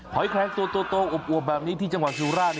หอยแครงโตโอบแบบนี้ที่จังหวัดศิลป์ราชน์